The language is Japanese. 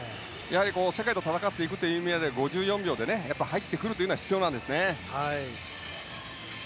世界と戦っていく意味合いで５４秒で入ってくるのは必要なんですね。